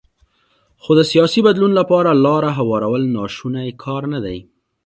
خو د سیاسي بدلون لپاره لاره هوارول ناشونی کار نه دی.